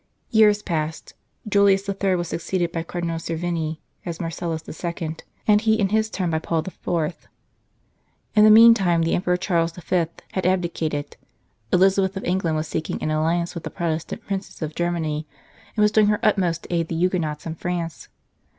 Years passed. Julius III. was succeeded by Cardinal Cervini as Marcellus II., and he in his turn by Paul IV. In the meantime the Emperor Charles V. had abdicated, Elizabeth of England was seeking an 27 St. Charles Borromeo alliance with the Protestant Princes of Germany, and was doing her utmost to aid the Huguenots in France.